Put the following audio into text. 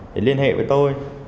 để liên hệ với tôi